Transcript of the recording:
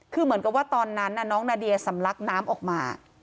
คือเหมือนกับว่าตอนนั้นน้องนาเดียสำลักน้ำออกมา